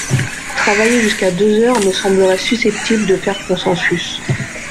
Travailler jusqu’à deux heures me semblerait susceptible de faire consensus.